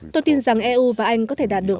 tôi tin rằng eu và anh có thể đạt được